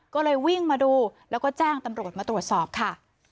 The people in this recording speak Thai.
ก็เลยวิ่งมาดูแล้วก็แจ้งตำรวจมาตรวจสอบค่ะ